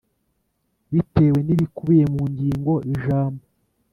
bitewe n ibikubiye mu ngingo ijambo